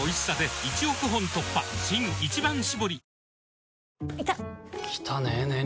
新「一番搾り」